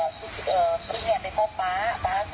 แล้วก็ให้เสียงรับสารภาพ